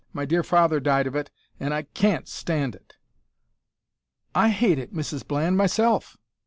My dear father died of it, an' I can't stand it ' "`I hate it, Mrs Bland, myself!'